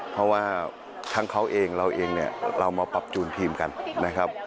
เพราะว่าทั้งเขาเองเราเองเนี่ยเรามาปรับจูนทีมกันนะครับ